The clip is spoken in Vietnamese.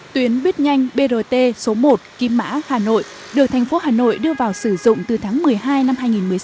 tuyến buýt nhanh brt số một kim mã hà nội được thành phố hà nội đưa vào sử dụng từ tháng một mươi hai năm hai nghìn một mươi sáu